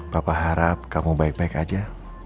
papa harap kamu baik baik saja